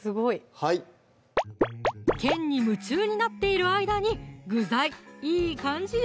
はい剣に夢中になっている間に具材いい感じよ！